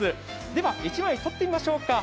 では、１枚撮ってみましょうか。